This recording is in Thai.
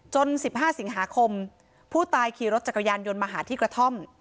๑๕สิงหาคมผู้ตายขี่รถจักรยานยนต์มาหาที่กระท่อม